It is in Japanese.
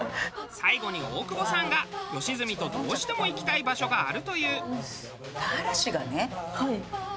最後に大久保さんが吉住とどうしても行きたい場所があるという。